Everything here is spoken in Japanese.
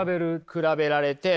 比べられて。